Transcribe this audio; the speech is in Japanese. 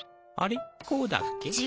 あれこうだっけ？